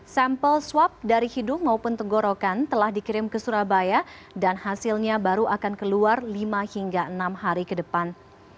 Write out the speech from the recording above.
sampel swab dari hidung maupun tenggorokan telah dikirim ke surabaya dan hasilnya baru akan keluar lima hingga enam hari ke depan